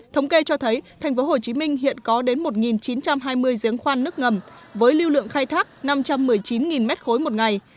thống kê cho thấy tp hcm hiện có đến một chín trăm hai mươi giếng khoan nước ngầm với lưu lượng khai thác năm trăm một mươi chín m ba một ngày